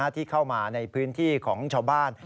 ที่เข้ามาในพื้นที่ของชาวบ้าน